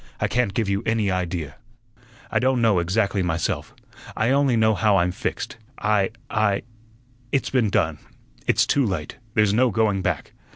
I can't give you any idea. I don' know exactly myself; I only know how I'm fixed. I I it's been done; it's too late, there's no going back.